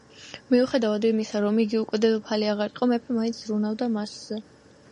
მიუხედავად იმისა, რომ იგი უკვე დედოფალი აღარ იყო, მეფე მაინც ზრუნავდა მასზე.